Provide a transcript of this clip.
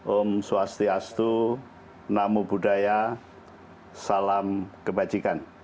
om swastiastu namu budaya salam kebajikan